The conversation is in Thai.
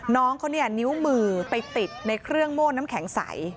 น้องเขาเนี่ยนิ้วมือไปติดในเครื่องโม่น้ำแข็งใส